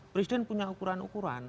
presiden punya ukuran ukuran